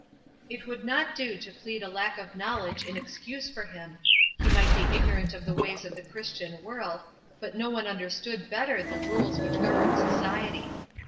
It would not do to plead a lack of knowledge in excuse for him; he might be ignorant of the ways of the Christian world, but no one understood better the rules which governed society.